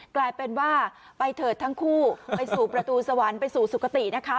กลายเป็นว่าไปเถิดทั้งคู่ไปสู่ประตูสวรรค์ไปสู่สุขตินะคะ